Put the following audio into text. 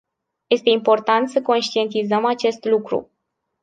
Este important să conștientizăm acest lucru.